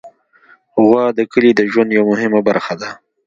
غوا د کلي د ژوند یوه مهمه برخه ده.